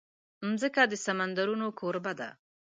مځکه د سمندرونو کوربه ده.